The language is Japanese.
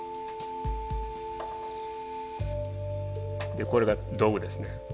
でこれが道具ですね。